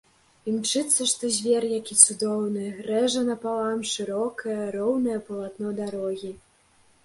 Імчыцца, што звер які цудоўны, рэжа напалам шырокае, роўнае палатно дарогі.